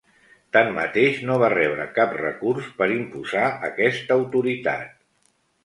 Tanmateix, no va rebre cap recurs per imposar aquesta autoritat.